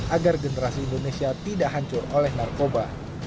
agar generasi indonesia tidak hancur oleh narkoba